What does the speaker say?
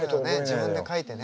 自分で書いてね。